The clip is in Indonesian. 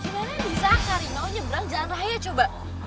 bagaimana bisa harimau menyeberang jalan raya